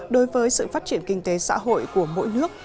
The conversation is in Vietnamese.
đối với sự phát triển kinh tế xã hội của mỗi nước